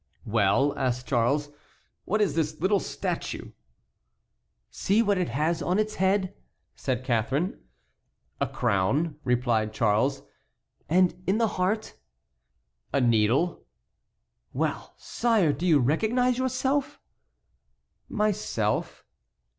"Well," asked Charles, "what is this little statue?" "See what it has on its head," said Catharine. "A crown," replied Charles. "And in the heart?" "A needle." "Well, sire, do you recognize yourself?" "Myself?"